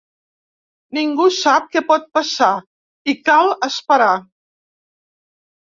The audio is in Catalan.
Ningú sap què pot passar i cal esperar.